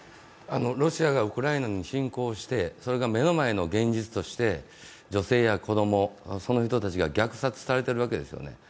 ロシアがウクライナに侵攻して、それが目の前の現実として女性や子供、その人たちが虐殺されているわけですよね。